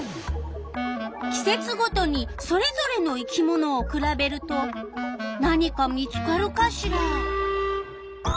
季節ごとにそれぞれの生き物をくらべると何か見つかるかしら？